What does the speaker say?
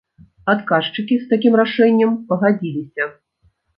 Адказчыкі з такім рашэннем пагадзіліся.